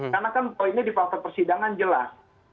karena kan poinnya di fakta persidangan jelas